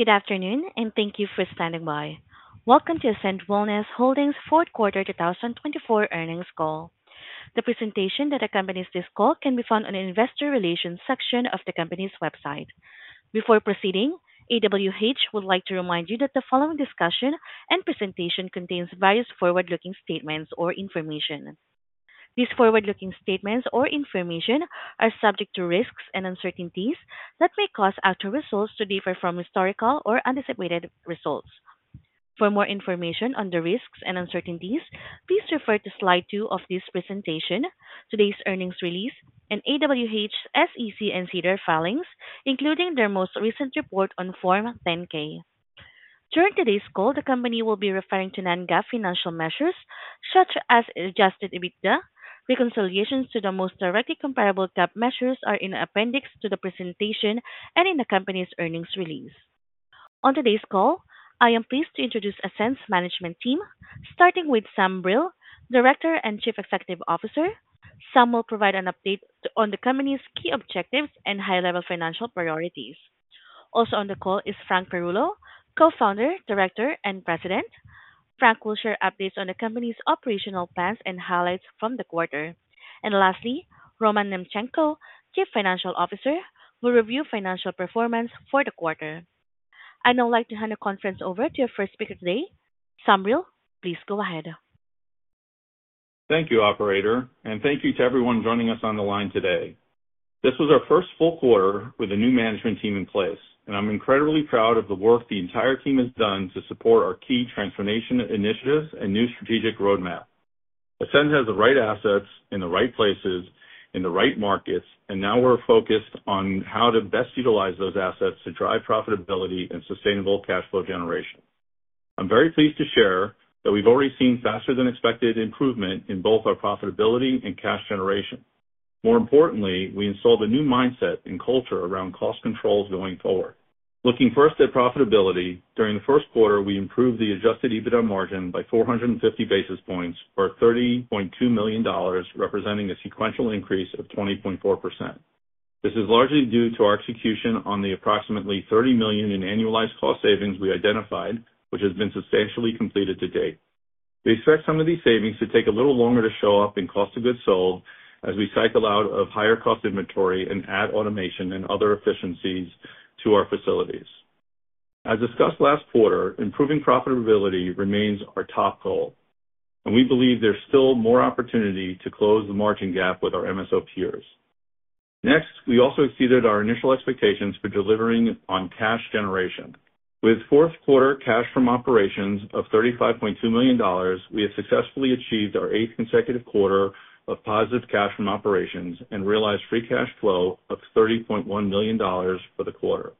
Good afternoon, and thank you for standing by. Welcome to Ascend Wellness Holdings' Fourth Quarter 2024 Earnings Call. The presentation that accompanies this call can be found on the investor relations section of the company's website. Before proceeding, AWH would like to remind you that the following discussion and presentation contains various forward-looking statements or information. These forward-looking statements or information are subject to risks and uncertainties that may cause actual results to differ from historical or anticipated results. For more information on the risks and uncertainties, please refer to slide two of this presentation, today's earnings release, and AWH's SEC and SEDAR filings, including their most recent report on Form 10-K. During today's call, the company will be referring to non-GAAP financial measures such as adjusted EBITDA. Reconciliations to the most directly comparable GAAP measures are in the appendix to the presentation and in the company's earnings release. On today's call, I am pleased to introduce Ascend's management team, starting with Sam Brill, Director and Chief Executive Officer. Sam will provide an update on the company's key objectives and high-level financial priorities. Also on the call is Frank Perullo, Co-founder, Director, and President. Frank will share updates on the company's operational plans and highlights from the quarter. Lastly, Roman Nemchenko, Chief Financial Officer, will review financial performance for the quarter. I now like to hand the conference over to our first speaker today, Sam Brill. Please go ahead. Thank you, Operator, and thank you to everyone joining us on the line today. This was our first full quarter with a new management team in place, and I'm incredibly proud of the work the entire team has done to support our key transformation initiatives and new strategic roadmap. Ascend has the right assets in the right places in the right markets, and now we're focused on how to best utilize those assets to drive profitability and sustainable cash flow generation. I'm very pleased to share that we've already seen faster-than-expected improvement in both our profitability and cash generation. More importantly, we installed a new mindset and culture around cost controls going forward. Looking first at profitability, during the Q1, we improved the adjusted EBITDA margin by 450 basis points for $30.2 million, representing a sequential increase of 20.4%. This is largely due to our execution on the approximately $30 million in annualized cost savings we identified, which has been substantially completed to date. We expect some of these savings to take a little longer to show up in cost of goods sold as we cycle out of higher cost inventory and add automation and other efficiencies to our facilities. As discussed last quarter, improving profitability remains our top goal, and we believe there's still more opportunity to close the margin gap with our MSO peers. Next, we also exceeded our initial expectations for delivering on cash generation. With Q4 cash from operations of $35.2 million, we have successfully achieved our eighth consecutive quarter of positive cash from operations and realized free cash flow of $30.1 million for the quarter.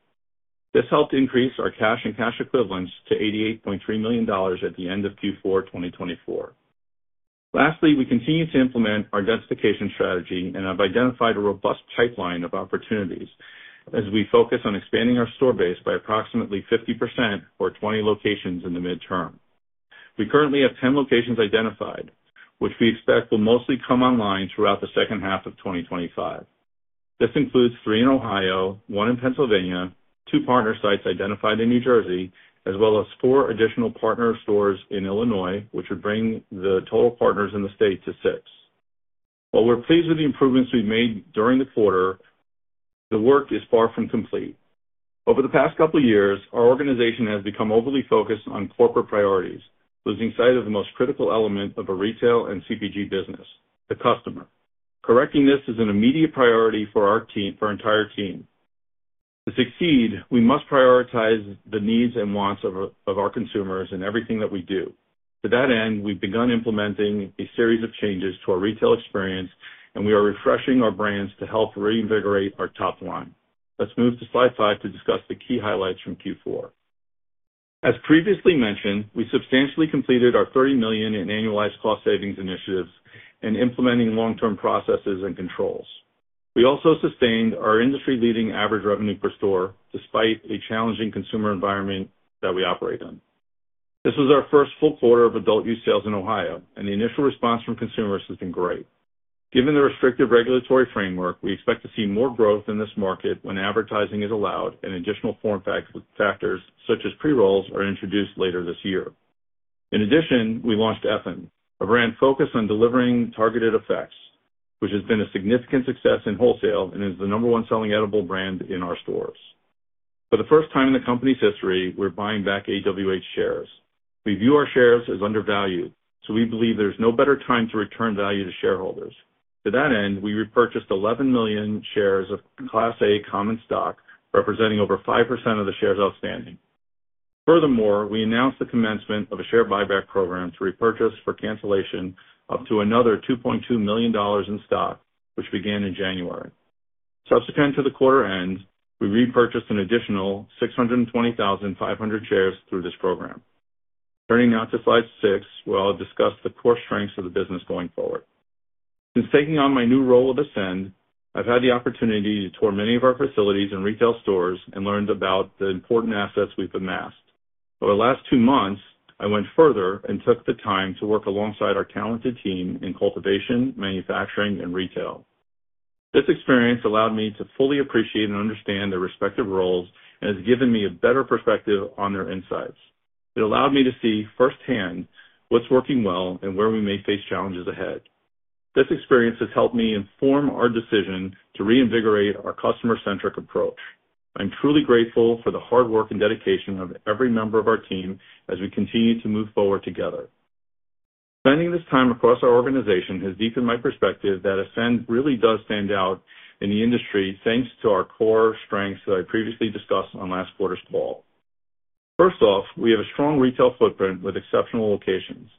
This helped increase our cash and cash equivalents to $88.3 million at the end of Q4 2024. Lastly, we continue to implement our densification strategy, and I've identified a robust pipeline of opportunities as we focus on expanding our store base by approximately 50% or 20 locations in the midterm. We currently have 10 locations identified, which we expect will mostly come online throughout the second half of 2025. This includes three in Ohio, one in Pennsylvania, two partner sites identified in New Jersey, as well as four additional partner stores in Illinois, which would bring the total partners in the state to six. While we're pleased with the improvements we've made during the quarter, the work is far from complete. Over the past couple of years, our organization has become overly focused on corporate priorities, losing sight of the most critical element of a retail and CPG business: the customer. Correcting this is an immediate priority for our entire team. To succeed, we must prioritize the needs and wants of our consumers in everything that we do. To that end, we've begun implementing a series of changes to our retail experience, and we are refreshing our brands to help reinvigorate our top line. Let's move to slide five to discuss the key highlights from Q4. As previously mentioned, we substantially completed our $30 million in annualized cost savings initiatives and implementing long-term processes and controls. We also sustained our industry-leading average revenue per store despite a challenging consumer environment that we operate in. This was our first full quarter of adult use sales in Ohio, and the initial response from consumers has been great. Given the restrictive regulatory framework, we expect to see more growth in this market when advertising is allowed and additional form factors such as pre-rolls are introduced later this year. In addition, we launched Effin, a brand focused on delivering targeted effects, which has been a significant success in wholesale and is the number one selling edible brand in our stores. For the first time in the company's history, we're buying back AWH shares. We view our shares as undervalued, so we believe there's no better time to return value to shareholders. To that end, we repurchased 11 million shares of Class A common stock, representing over 5% of the shares outstanding. Furthermore, we announced the commencement of a share buyback program to repurchase for cancellation up to another $2.2 million in stock, which began in January. Subsequent to the quarter end, we repurchased an additional 620,500 shares through this program. Turning now to slide six, where I'll discuss the core strengths of the business going forward. Since taking on my new role with Ascend, I've had the opportunity to tour many of our facilities and retail stores and learned about the important assets we've amassed. Over the last two months, I went further and took the time to work alongside our talented team in cultivation, manufacturing, and retail. This experience allowed me to fully appreciate and understand their respective roles and has given me a better perspective on their insights. It allowed me to see firsthand what's working well and where we may face challenges ahead. This experience has helped me inform our decision to reinvigorate our customer-centric approach. I'm truly grateful for the hard work and dedication of every member of our team as we continue to move forward together. Spending this time across our organization has deepened my perspective that Ascend really does stand out in the industry thanks to our core strengths that I previously discussed on last quarter's call. First off, we have a strong retail footprint with exceptional locations.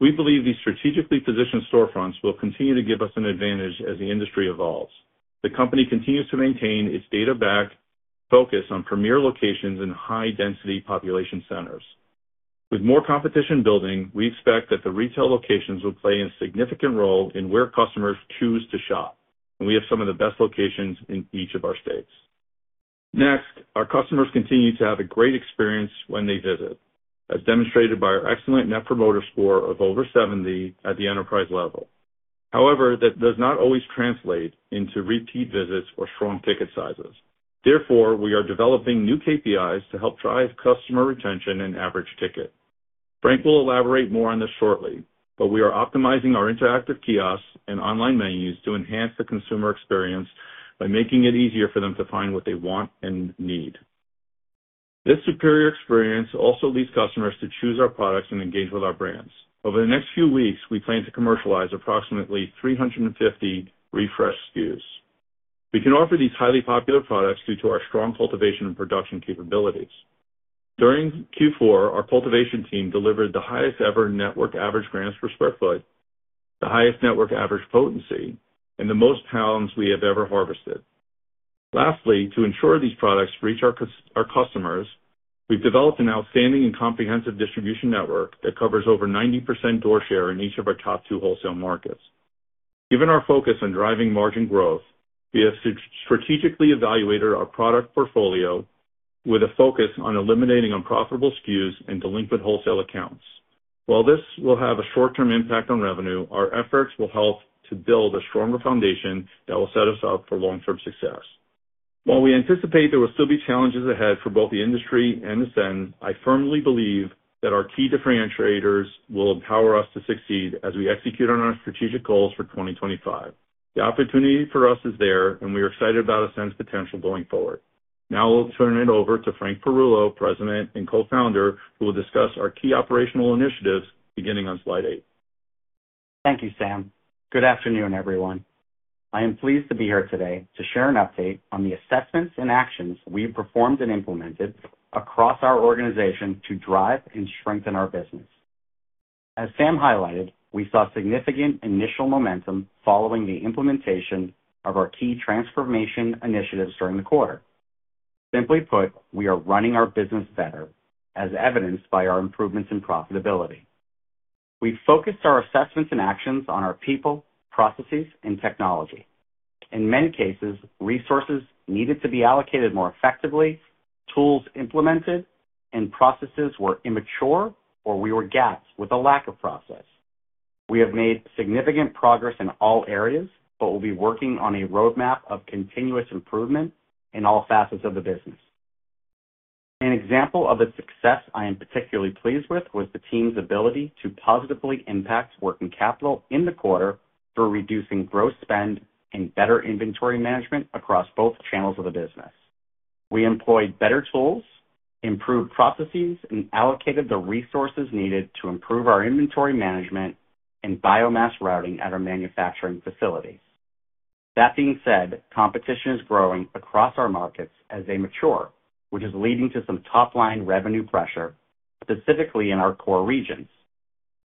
We believe these strategically positioned storefronts will continue to give us an advantage as the industry evolves. The company continues to maintain its data-backed focus on premier locations in high-density population centers. With more competition building, we expect that the retail locations will play a significant role in where customers choose to shop, and we have some of the best locations in each of our states. Next, our customers continue to have a great experience when they visit, as demonstrated by our excellent Net Promoter Score of over 70 at the enterprise level. However, that does not always translate into repeat visits or strong ticket sizes. Therefore, we are developing new KPIs to help drive customer retention and average ticket. Frank will elaborate more on this shortly, but we are optimizing our interactive kiosks and online menus to enhance the consumer experience by making it easier for them to find what they want and need. This superior experience also leads customers to choose our products and engage with our brands. Over the next few weeks, we plan to commercialize approximately 350 refreshed SKUs. We can offer these highly popular products due to our strong cultivation and production capabilities. During Q4, our cultivation team delivered the highest-ever network average grams per square foot, the highest network average potency, and the most pounds we have ever harvested. Lastly, to ensure these products reach our customers, we've developed an outstanding and comprehensive distribution network that covers over 90% door share in each of our top two wholesale markets. Given our focus on driving margin growth, we have strategically evaluated our product portfolio with a focus on eliminating unprofitable SKUs and delinquent wholesale accounts. While this will have a short-term impact on revenue, our efforts will help to build a stronger foundation that will set us up for long-term success. While we anticipate there will still be challenges ahead for both the industry and Ascend, I firmly believe that our key differentiators will empower us to succeed as we execute on our strategic goals for 2025. The opportunity for us is there, and we are excited about Ascend's potential going forward. Now I'll turn it over to Frank Perullo, President and Co-founder, who will discuss our key operational initiatives beginning on slide eight. Thank you, Sam. Good afternoon, everyone. I am pleased to be here today to share an update on the assessments and actions we've performed and implemented across our organization to drive and strengthen our business. As Sam highlighted, we saw significant initial momentum following the implementation of our key transformation initiatives during the quarter. Simply put, we are running our business better, as evidenced by our improvements in profitability. We've focused our assessments and actions on our people, processes, and technology. In many cases, resources needed to be allocated more effectively, tools implemented, and processes were immature or we were gaps with a lack of process. We have made significant progress in all areas, but we'll be working on a roadmap of continuous improvement in all facets of the business. An example of a success I am particularly pleased with was the team's ability to positively impact working capital in the quarter through reducing gross spend and better inventory management across both channels of the business. We employed better tools, improved processes, and allocated the resources needed to improve our inventory management and biomass routing at our manufacturing facilities. That being said, competition is growing across our markets as they mature, which is leading to some top-line revenue pressure, specifically in our core regions.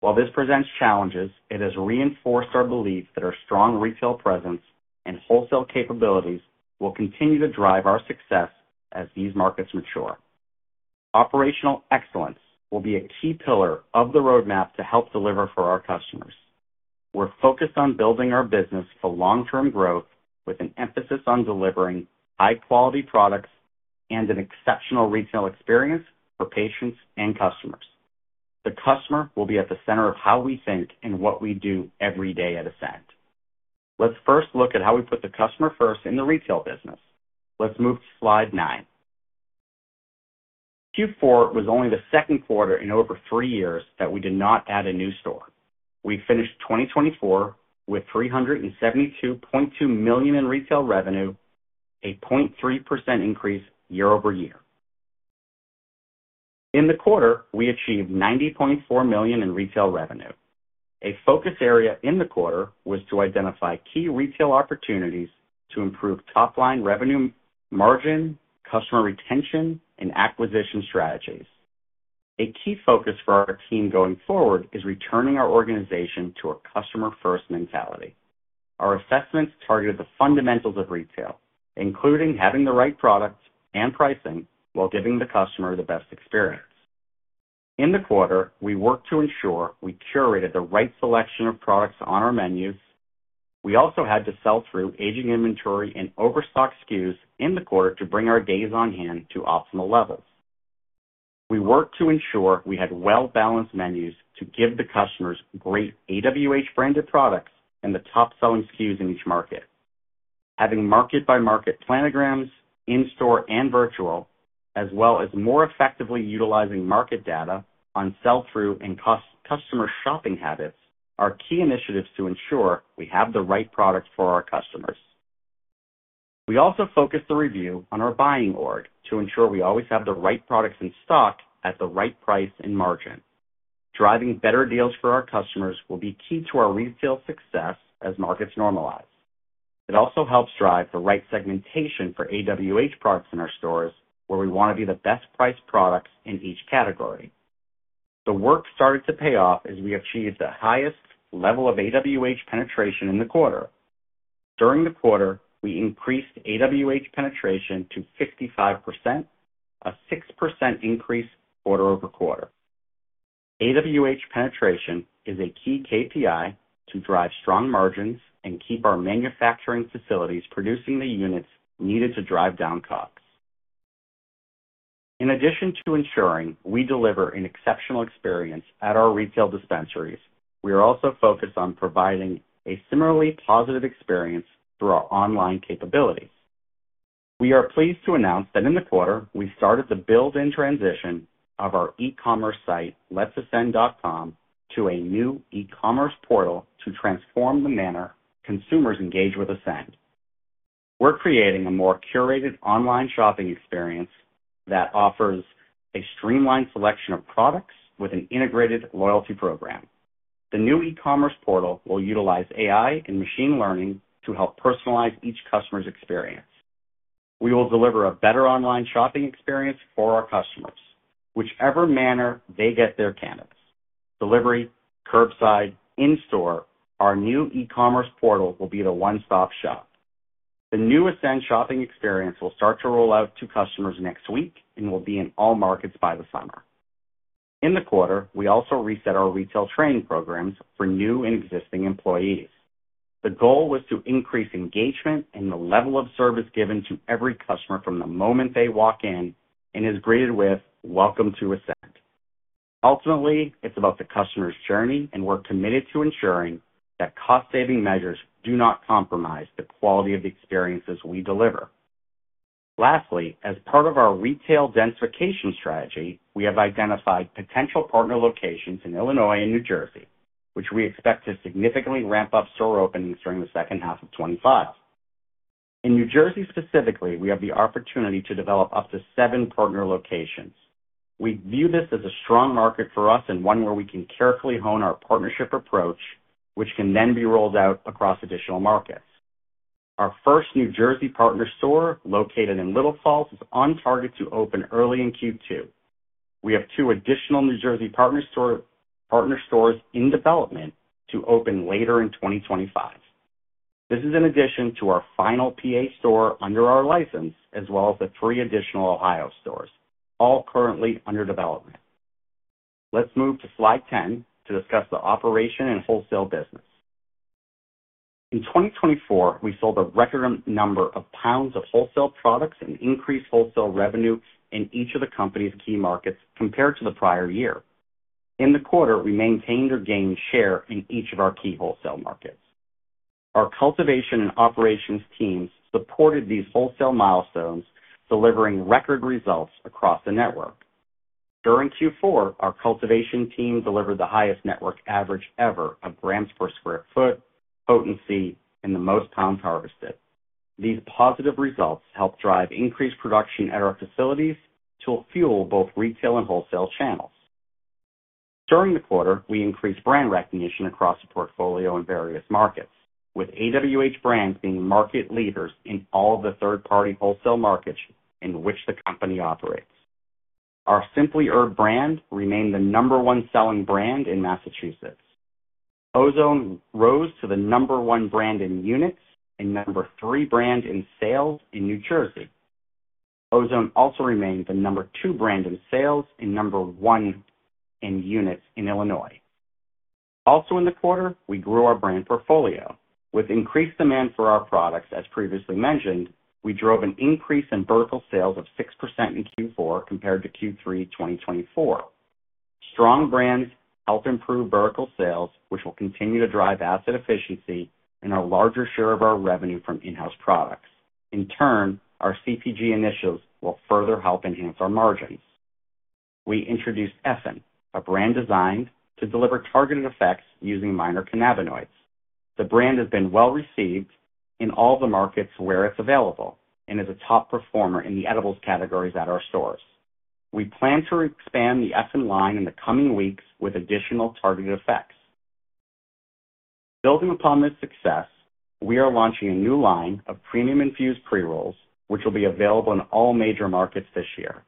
While this presents challenges, it has reinforced our belief that our strong retail presence and wholesale capabilities will continue to drive our success as these markets mature. Operational excellence will be a key pillar of the roadmap to help deliver for our customers. We're focused on building our business for long-term growth with an emphasis on delivering high-quality products and an exceptional retail experience for patients and customers. The customer will be at the center of how we think and what we do every day at Ascend. Let's first look at how we put the customer first in the retail business. Let's move to slide nine. Q4 was only the Q2 in over three years that we did not add a new store. We finished 2024 with $372.2 million in retail revenue, a 0.3% increase year over year. In the quarter, we achieved $90.4 million in retail revenue. A focus area in the quarter was to identify key retail opportunities to improve top-line revenue margin, customer retention, and acquisition strategies. A key focus for our team going forward is returning our organization to a customer-first mentality. Our assessments targeted the fundamentals of retail, including having the right products and pricing while giving the customer the best experience. In the quarter, we worked to ensure we curated the right selection of products on our menus. We also had to sell through aging inventory and overstock SKUs in the quarter to bring our days on hand to optimal levels. We worked to ensure we had well-balanced menus to give the customers great AWH-branded products and the top-selling SKUs in each market. Having market-by-market planograms, in-store and virtual, as well as more effectively utilizing market data on sell-through and customer shopping habits are key initiatives to ensure we have the right products for our customers. We also focused the review on our buying org to ensure we always have the right products in stock at the right price and margin. Driving better deals for our customers will be key to our retail success as markets normalize. It also helps drive the right segmentation for AWH products in our stores, where we want to be the best-priced products in each category. The work started to pay off as we achieved the highest level of AWH penetration in the quarter. During the quarter, we increased AWH penetration to 55%, a 6% increase quarter over quarter. AWH penetration is a key KPI to drive strong margins and keep our manufacturing facilities producing the units needed to drive down costs. In addition to ensuring we deliver an exceptional experience at our retail dispensaries, we are also focused on providing a similarly positive experience through our online capabilities. We are pleased to announce that in the quarter, we started the build-in transition of our e-commerce site, letsascend.com, to a new e-commerce portal to transform the manner consumers engage with Ascend. We're creating a more curated online shopping experience that offers a streamlined selection of products with an integrated loyalty program. The new e-commerce portal will utilize AI and machine learning to help personalize each customer's experience. We will deliver a better online shopping experience for our customers, whichever manner they get their cannabis. Delivery, curbside, in-store, our new e-commerce portal will be the one-stop shop. The new Ascend shopping experience will start to roll out to customers next week and will be in all markets by the summer. In the quarter, we also reset our retail training programs for new and existing employees. The goal was to increase engagement and the level of service given to every customer from the moment they walk in and is greeted with, "Welcome to Ascend." Ultimately, it's about the customer's journey, and we're committed to ensuring that cost-saving measures do not compromise the quality of the experiences we deliver. Lastly, as part of our retail densification strategy, we have identified potential partner locations in Illinois and New Jersey, which we expect to significantly ramp up store openings during the second half of 2025. In New Jersey specifically, we have the opportunity to develop up to seven partner locations. We view this as a strong market for us and one where we can carefully hone our partnership approach, which can then be rolled out across additional markets. Our first New Jersey partner store located in Little Falls is on target to open early in Q2. We have two additional New Jersey partner stores in development to open later in 2025. This is in addition to our final Pennsylvania store under our license, as well as the three additional Ohio stores, all currently under development. Let's move to slide 10 to discuss the operation and wholesale business. In 2024, we sold a record number of pounds of wholesale products and increased wholesale revenue in each of the company's key markets compared to the prior year. In the quarter, we maintained or gained share in each of our key wholesale markets. Our cultivation and operations teams supported these wholesale milestones, delivering record results across the network. During Q4, our cultivation team delivered the highest network average ever of grams per square foot, potency, and the most pounds harvested. These positive results helped drive increased production at our facilities to fuel both retail and wholesale channels. During the quarter, we increased brand recognition across the portfolio in various markets, with AWH brands being market leaders in all of the third-party wholesale markets in which the company operates. Our Simply Herb brand remained the number one selling brand in Massachusetts. Ozone rose to the number one brand in units and number three brand in sales in New Jersey. Ozone also remained the number two brand in sales and number one in units in Illinois. Also in the quarter, we grew our brand portfolio. With increased demand for our products, as previously mentioned, we drove an increase in vertical sales of 6% in Q4 compared to Q3 2024. Strong brands help improve vertical sales, which will continue to drive asset efficiency and a larger share of our revenue from in-house products. In turn, our CPG initiatives will further help enhance our margins. We introduced Effin, a brand designed to deliver targeted effects using minor cannabinoids. The brand has been well received in all the markets where it's available and is a top performer in the edibles categories at our stores. We plan to expand the Effin line in the coming weeks with additional targeted effects. Building upon this success, we are launching a new line of premium-infused pre-rolls, which will be available in all major markets this year.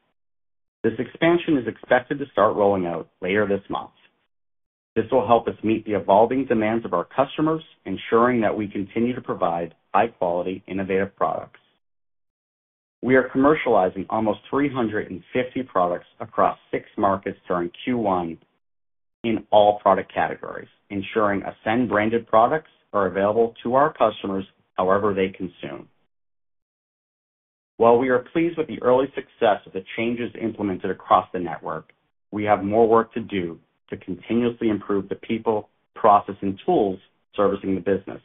This expansion is expected to start rolling out later this month. This will help us meet the evolving demands of our customers, ensuring that we continue to provide high-quality, innovative products. We are commercializing almost 350 products across six markets during Q1 in all product categories, ensuring Ascend-branded products are available to our customers however they consume. While we are pleased with the early success of the changes implemented across the network, we have more work to do to continuously improve the people, process, and tools servicing the business.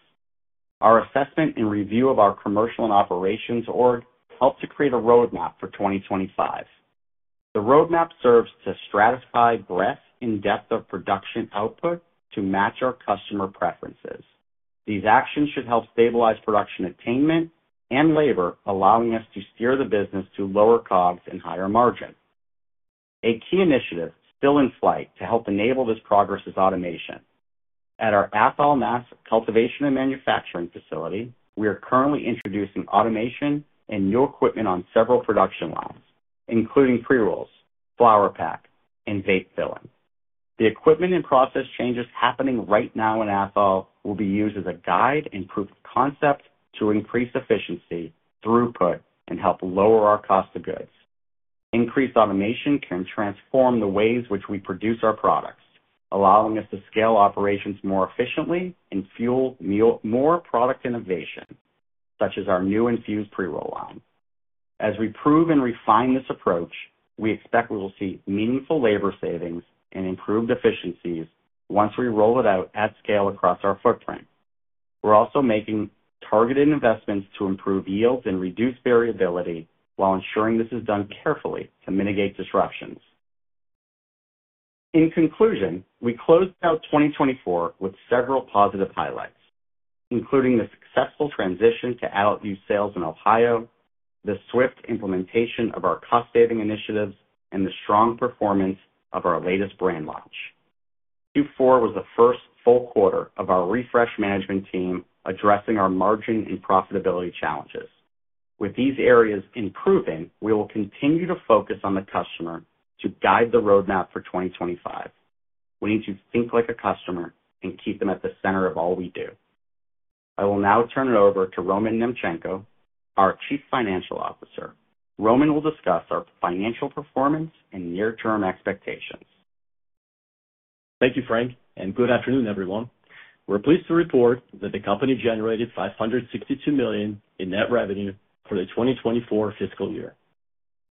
Our assessment and review of our commercial and operations org helped to create a roadmap for 2025. The roadmap serves to stratify breadth and depth of production output to match our customer preferences. These actions should help stabilize production attainment and labor, allowing us to steer the business to lower COGS and higher margins. A key initiative still in flight to help enable this progress is automation. At our Athol Massachusetts cultivation and manufacturing facility, we are currently introducing automation and new equipment on several production lines, including pre-rolls, flower pack, and vape filling. The equipment and process changes happening right now in Athol will be used as a guide and proof of concept to increase efficiency, throughput, and help lower our cost of goods. Increased automation can transform the ways which we produce our products, allowing us to scale operations more efficiently and fuel more product innovation, such as our new infused pre-roll line. As we prove and refine this approach, we expect we will see meaningful labor savings and improved efficiencies once we roll it out at scale across our footprint. We're also making targeted investments to improve yields and reduce variability while ensuring this is done carefully to mitigate disruptions. In conclusion, we closed out 2024 with several positive highlights, including the successful transition to adult-use sales in Ohio, the swift implementation of our cost-saving initiatives, and the strong performance of our latest brand launch. Q4 was the first full quarter of our refreshed management team addressing our margin and profitability challenges. With these areas improving, we will continue to focus on the customer to guide the roadmap for 2025. We need to think like a customer and keep them at the center of all we do. I will now turn it over to Roman Nemchenko, our Chief Financial Officer. Roman will discuss our financial performance and near-term expectations. Thank you, Frank, and good afternoon, everyone. We're pleased to report that the company generated $562 million in net revenue for the 2024 fiscal year.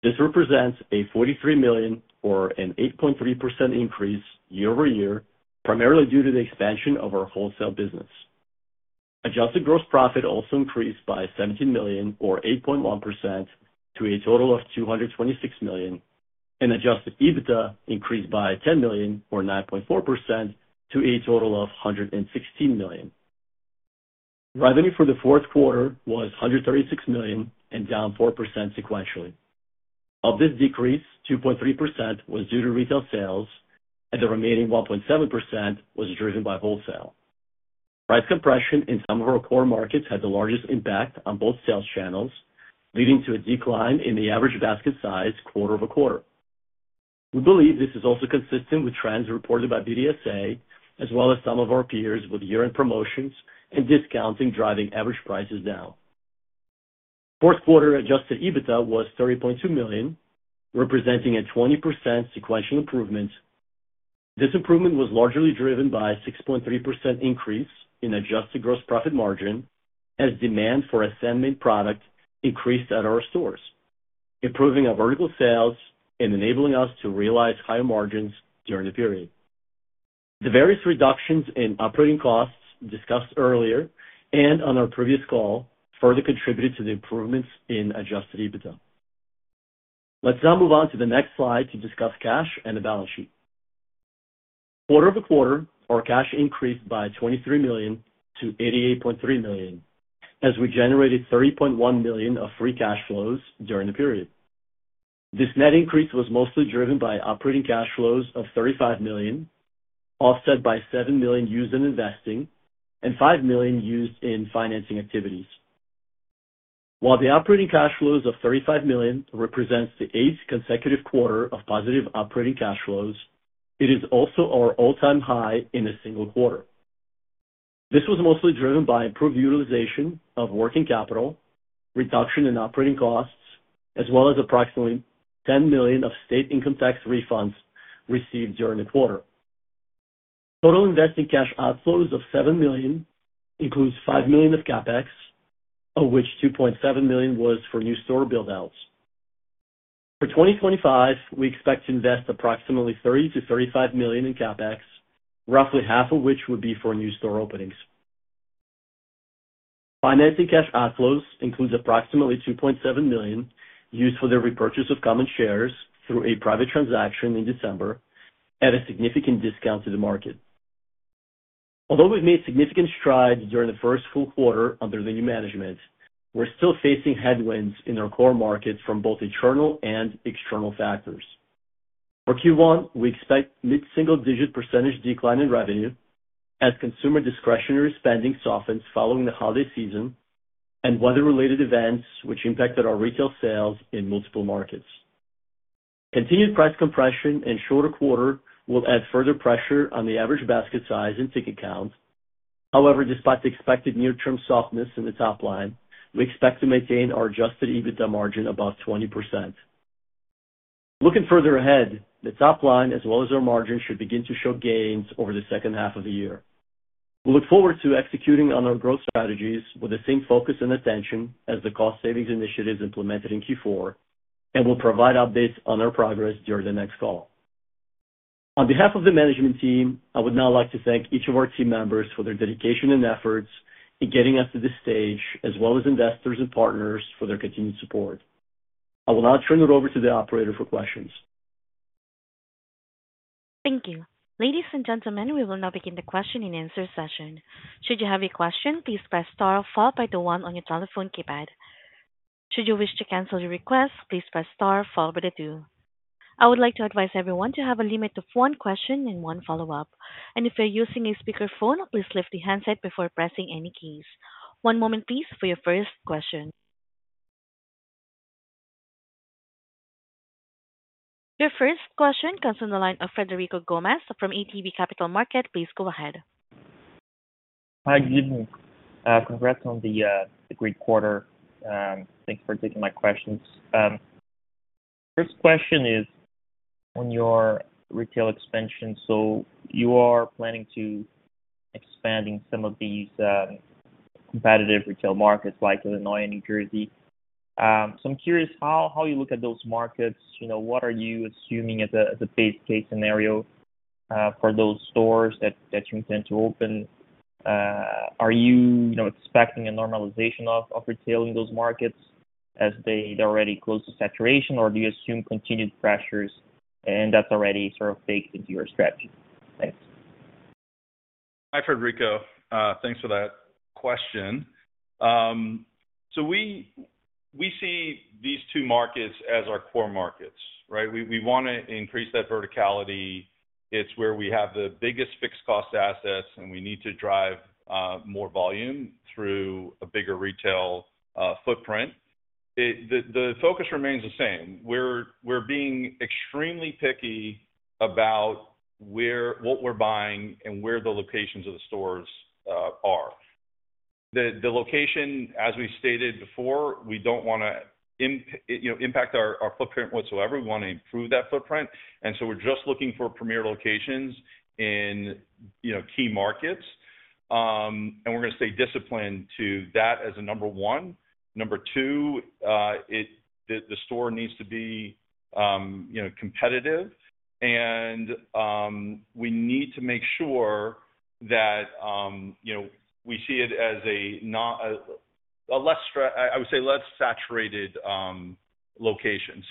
This represents a $43 million, or an 8.3% increase year over year, primarily due to the expansion of our wholesale business. Adjusted gross profit also increased by $17 million, or 8.1%, to a total of $226 million, and adjusted EBITDA increased by $10 million, or 9.4%, to a total of $116 million. Revenue for the Q4 was $136 million and down 4% sequentially. Of this decrease, 2.3% was due to retail sales, and the remaining 1.7% was driven by wholesale. Price compression in some of our core markets had the largest impact on both sales channels, leading to a decline in the average basket size quarter over quarter. We believe this is also consistent with trends reported by BDSA, as well as some of our peers with year-end promotions and discounting driving average prices down. Q4 adjusted EBITDA was $30.2 million, representing a 20% sequential improvement. This improvement was largely driven by a 6.3% increase in adjusted gross profit margin as demand for Ascend-based product increased at our stores, improving our vertical sales and enabling us to realize higher margins during the period. The various reductions in operating costs discussed earlier and on our previous call further contributed to the improvements in adjusted EBITDA. Let's now move on to the next slide to discuss cash and the balance sheet. Quarter over quarter, our cash increased by $23 million to $88.3 million as we generated $30.1 million of free cash flows during the period. This net increase was mostly driven by operating cash flows of $35 million, offset by $7 million used in investing and $5 million used in financing activities. While the operating cash flows of $35 million represent the eighth consecutive quarter of positive operating cash flows, it is also our all-time high in a single quarter. This was mostly driven by improved utilization of working capital, reduction in operating costs, as well as approximately $10 million of state income tax refunds received during the quarter. Total investing cash outflows of $7 million includes $5 million of CapEx, of which $2.7 million was for new store buildouts. For 2025, we expect to invest approximately $30-$35 million in CapEx, roughly half of which would be for new store openings. Financing cash outflows include approximately $2.7 million used for the repurchase of common shares through a private transaction in December at a significant discount to the market. Although we've made significant strides during the first full quarter under the new management, we're still facing headwinds in our core markets from both internal and external factors. For Q1, we expect a mid-single-digit % decline in revenue as consumer discretionary spending softens following the holiday season and weather-related events which impacted our retail sales in multiple markets. Continued price compression in the shorter quarter will add further pressure on the average basket size and ticket count. However, despite the expected near-term softness in the top line, we expect to maintain our adjusted EBITDA margin above 20%. Looking further ahead, the top line as well as our margin should begin to show gains over the second half of the year. We look forward to executing on our growth strategies with the same focus and attention as the cost-savings initiatives implemented in Q4, and we'll provide updates on our progress during the next call. On behalf of the management team, I would now like to thank each of our team members for their dedication and efforts in getting us to this stage, as well as investors and partners for their continued support. I will now turn it over to the operator for questions. Thank you. Ladies and gentlemen, we will now begin the Q&A session. Should you have a question, please press star followed by the one on your telephone keypad. Should you wish to cancel your request, please press star followed by the two. I would like to advise everyone to have a limit of one question and one follow-up. If you're using a speakerphone, please lift the handset before pressing any keys. One moment, please, for your first question. Your first question comes from the line of Federico Gomez from ATB Capital Markets. Please go ahead. Hi, good evening. Congrats on the great quarter. Thanks for taking my questions. First question is on your retail expansion. You are planning to expand in some of these competitive retail markets like Illinois and New Jersey. I'm curious how you look at those markets. What are you assuming as a base case scenario for those stores that you intend to open? Are you expecting a normalization of retail in those markets as they're already close to saturation, or do you assume continued pressures and that's already baked into your strategy? Thanks. Hi, Federico. Thanks for that question. We see these two markets as our core markets. We want to increase that verticality. It's where we have the biggest fixed cost assets, and we need to drive more volume through a bigger retail footprint. The focus remains the same. We're being extremely picky about what we're buying and where the locations of the stores are. The location, as we stated before, we don't want to impact our footprint whatsoever. We want to improve that footprint. We are just looking for premier locations in key markets. We're going to stay disciplined to that as a number one. Number two, the store needs to be competitive. We need to make sure that we see it as a, I would say, less saturated location.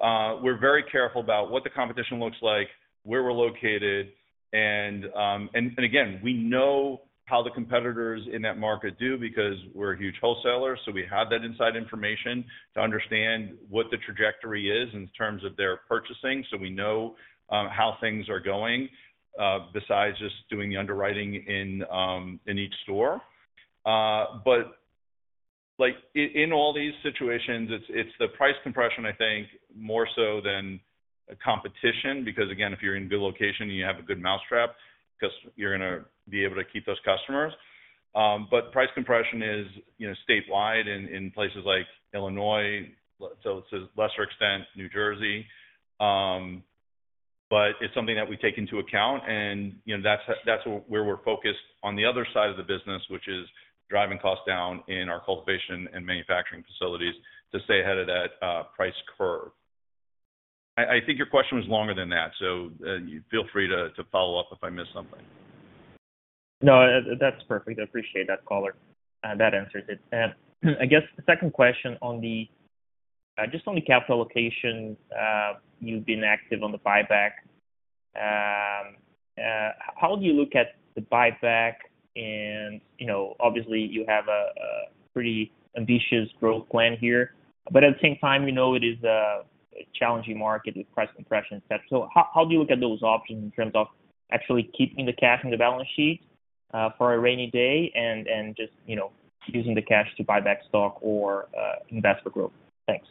We're very careful about what the competition looks like, where we're located. Again, we know how the competitors in that market do because we're a huge wholesaler. We have that inside information to understand what the trajectory is in terms of their purchasing. We know how things are going besides just doing the underwriting in each store. In all these situations, it's the price compression, more so than competition because, again, if you're in a good location, you have a good mousetrap because you're going to be able to keep those customers. Price compression is statewide in places like Illinois, to a lesser extent, New Jersey. It's something that we take into account. That's where we're focused on the other side of the business, which is driving costs down in our cultivation and manufacturing facilities to stay ahead of that price curve. Your question was longer than that. Feel free to follow up if I missed something. No, that's perfect. I appreciate that, Caller. That answers it. The second question just on the capital allocation, you've been active on the buyback. How do you look at the buyback? Obviously, you have a pretty ambitious growth plan here. At the same time, it is a challenging market with price compression and such. How do you look at those options in terms of actually keeping the cash in the balance sheet for a rainy day and just using the cash to buy back stock or invest for growth? Thanks.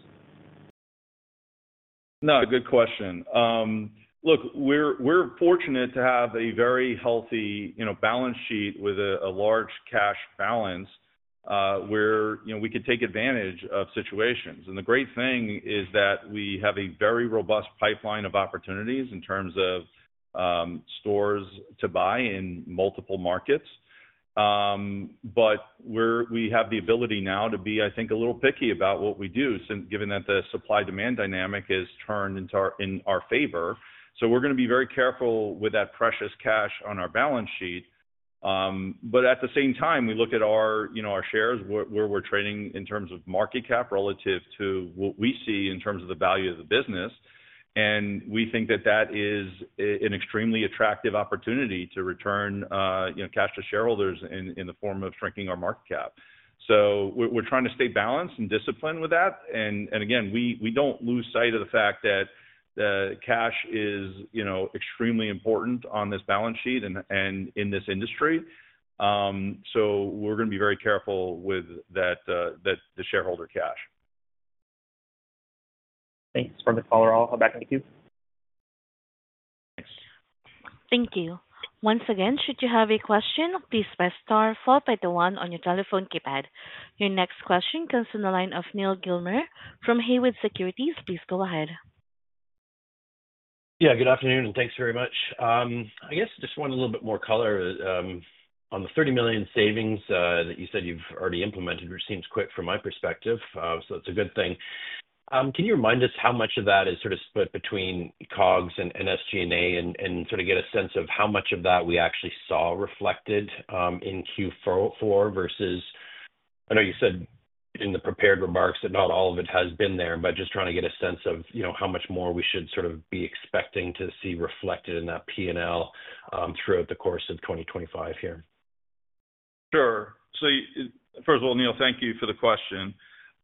No, good question. Look, we're fortunate to have a very healthy balance sheet with a large cash balance where we could take advantage of situations. The great thing is that we have a very robust pipeline of opportunities in terms of stores to buy in multiple markets. We have the ability now to be, a little picky about what we do, given that the supply-demand dynamic has turned in our favor. We are going to be very careful with that precious cash on our balance sheet. At the same time, we look at our shares, where we are trading in terms of market cap relative to what we see in terms of the value of the business. We think that is an extremely attractive opportunity to return cash to shareholders in the form of shrinking our market cap. We are trying to stay balanced and disciplined with that. We do not lose sight of the fact that cash is extremely important on this balance sheet and in this industry. We are going to be very careful with that shareholder cash. Thanks for the call. I will hand it back to you. Thanks. Thank you. Once again, should you have a question, please press star followed by the one on your telephone keypad. Your next question comes from the line of Neal Gilmer from Haywood Securities. Please go ahead. Yeah, good afternoon, and thanks very much. I just want a little bit more color on the $30 million savings that you said you've already implemented, which seems quick from my perspective. It is a good thing. Can you remind us how much of that is split between COGS and SG&A and get a sense of how much of that we actually saw reflected in Q4 versus I know you said in the prepared remarks that not all of it has been there, but just trying to get a sense of how much more we shouldbe expecting to see reflected in that P&L throughout the course of 2025 here. Sure. First of all, Neal, thank you for the question.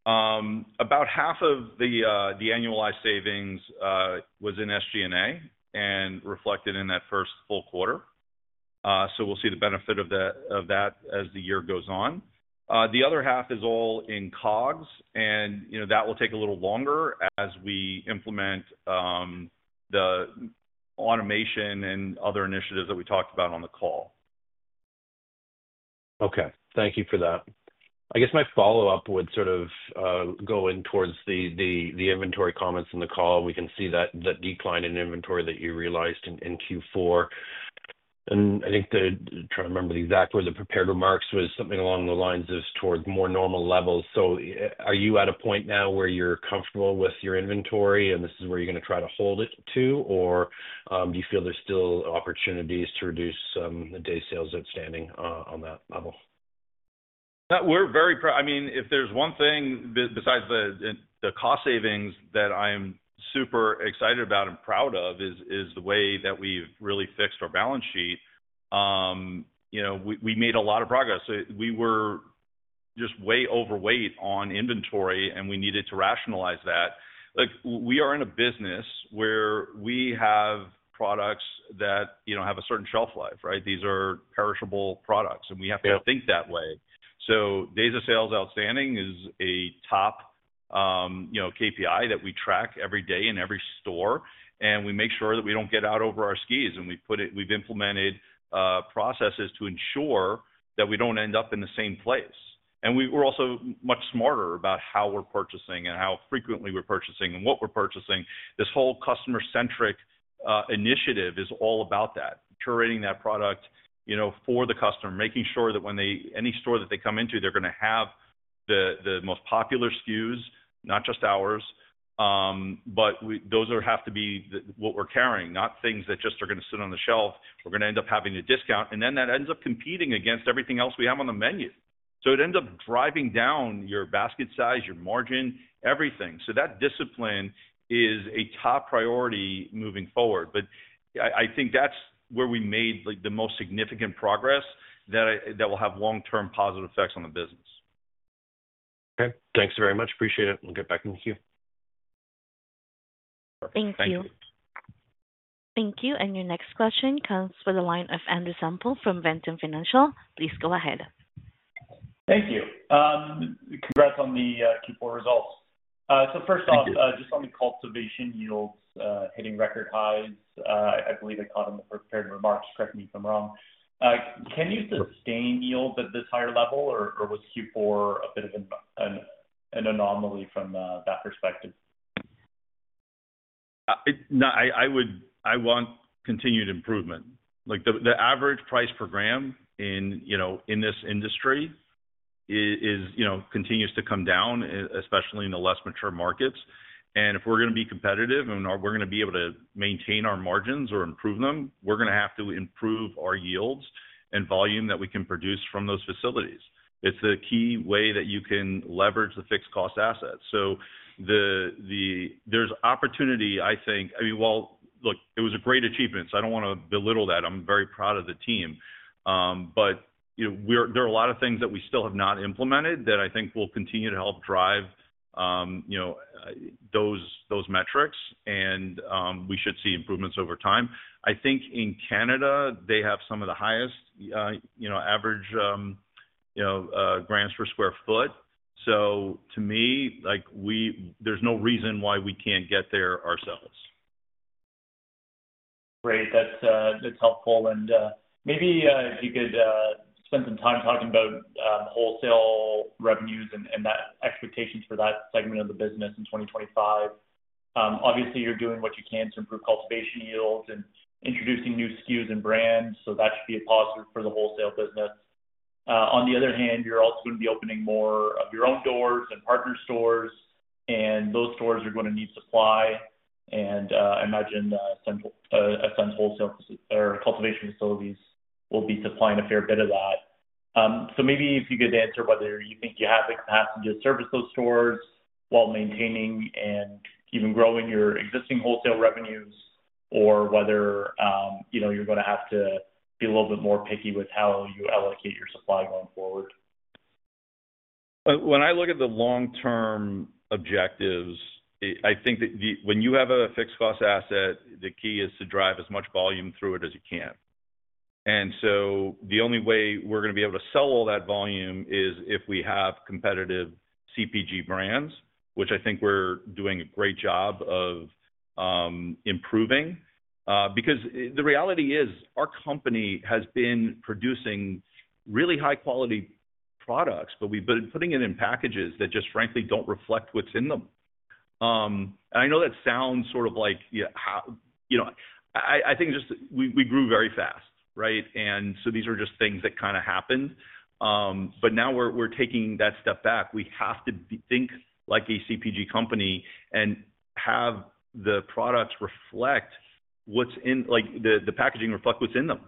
About half of the annualized savings was in SG&A and reflected in that first full quarter. We will see the benefit of that as the year goes on. The other half is all in COGS. That will take a little longer as we implement the automation and other initiatives that we talked about on the call. Okay. Thank you for that. My follow-up would go in towards the inventory comments in the call. We can see that decline in inventory that you realized in Q4. I'm trying to remember the exact word. The prepared remarks was something along the lines of towards more normal levels. Are you at a point now where you're comfortable with your inventory, and this is where you're going to try to hold it to, or do you feel there's still opportunities to reduce the day sales outstanding on that level? If there's one thing besides the cost savings that I'm super excited about and proud of is the way that we've really fixed our balance sheet. We made a lot of progress. We were just way overweight on inventory, and we needed to rationalize that. Look, we are in a business where we have products that have a certain shelf life, right? These are perishable products, and we have to think that way. Days of sales outstanding is a top KPI that we track every day in every store. We make sure that we do not get out over our skis. We have implemented processes to ensure that we do not end up in the same place. We are also much smarter about how we are purchasing and how frequently we are purchasing and what we are purchasing. This whole customer-centric initiative is all about that, curating that product for the customer, making sure that any store that they come into, they are going to have the most popular SKUs, not just ours. Those have to be what we are carrying, not things that just are going to sit on the shelf. We're going to end up having a discount. That ends up competing against everything else we have on the menu. It ends up driving down your basket size, your margin, everything. That discipline is a top priority moving forward. That's where we made the most significant progress that will have long-term positive effects on the business. Okay. Thanks very much. Appreciate it. We'll get back in with you. Perfect. Thank you. Thank you. Your next question comes from the line of Andrew Semple from Ventum Financial. Please go ahead. Thank you. Congrats on the Q4 results. First off, just on the cultivation yields, hitting record highs. I believe I caught on the prepared remarks. Correct me if I'm wrong. Can you sustain yields at this higher level, or was Q4 a bit of an anomaly from that perspective? I want continued improvement. The average price per gram in this industry continues to come down, especially in the less mature markets. If we're going to be competitive and we're going to be able to maintain our margins or improve them, we're going to have to improve our yields and volume that we can produce from those facilities. It's the key way that you can leverage the fixed cost assets. There is opportunity, look, it was a great achievement, so I don't want to belittle that. I'm very proud of the team. There are a lot of things that we still have not implemented that will continue to help drive those metrics. We should see improvements over time. In Canada, they have some of the highest average grams per square foot. To me, there's no reason why we can't get there ourselves. Great. That's helpful. Maybe if you could spend some time talking about wholesale revenues and the expectations for that segment of the business in 2025. Obviously, you're doing what you can to improve cultivation yields and introducing new SKUs and brands. That should be a positive for the wholesale business. On the other hand, you're also going to be opening more of your own doors and partner stores. Those stores are going to need supply. I imagine Athol or cultivation facilities will be supplying a fair bit of that. Maybe if you could answer whether you think you have the capacity to service those stores while maintaining and even growing your existing wholesale revenues, or whether you're going to have to be a little bit more picky with how you allocate your supply going forward. When I look at the long-term objectives, that when you have a fixed cost asset, the key is to drive as much volume through it as you can. The only way we're going to be able to sell all that volume is if we have competitive CPG brands, which we're doing a great job of improving. The reality is our company has been producing really high-quality products, but we've been putting it in packages that just, frankly, don't reflect what's in them. I know that sounds like just we grew very fast, right? These are just things that happened. Now we're taking that step back. We have to think like a CPG company and have the products reflect what's in the packaging, reflect what's in them.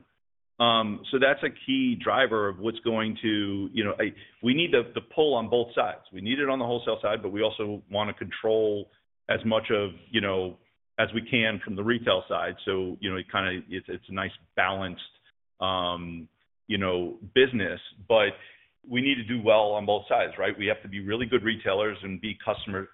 That's a key driver of what's going to—we need the pull on both sides. We need it on the wholesale side, but we also want to control as much as we can from the retail side. It kind of—it's a nice balanced business. We need to do well on both sides, right? We have to be really good retailers and be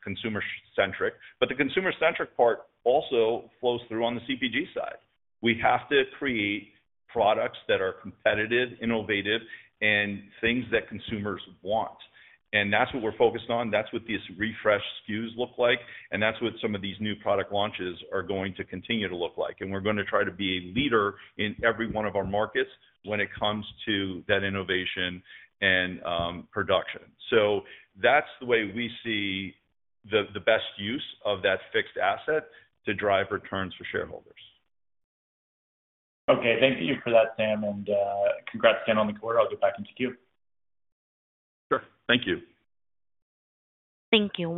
consumer-centric. The consumer-centric part also flows through on the CPG side. We have to create products that are competitive, innovative, and things that consumers want. That is what we are focused on. That is what these refreshed SKUs look like. That is what some of these new product launches are going to continue to look like. We are going to try to be a leader in every one of our markets when it comes to that innovation and production. That is the way we see the best use of that fixed asset to drive returns for shareholders. Okay. Thank you for that, Sam. Congrats again on the quarter. I will get back into Q. Sure. Thank you. Thank you.